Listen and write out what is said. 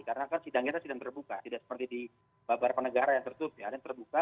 karena kan sidang kita sidang terbuka tidak seperti di beberapa negara yang tertutup ya ada yang terbuka